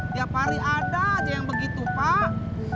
tiap hari ada aja yang begitu pak